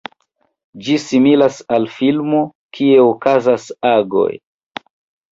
Ĝi similas al filmo, kie okazas agoj.